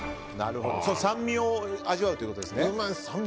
酸味を味わうということですね。